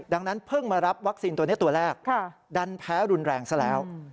ดังนั้นเพิ่งมารับวัคซีนตัวนี้ตัวแรกดันแพ้รุนแรงซะแล้ว